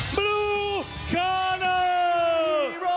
บลูกาเนอร์